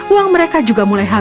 uang mereka juga mulai harga